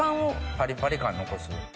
パリパリ感残す。